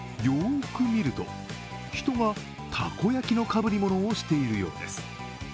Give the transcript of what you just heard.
よく見ると、人がたこ焼きのかぶりものをしているようです。